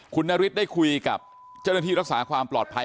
คุณนฤทธิ์ได้คุยกับเจ้าหน้าที่รักษาความปลอดภัย